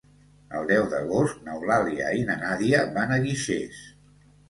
El deu d'agost n'Eulàlia i na Nàdia van a Guixers.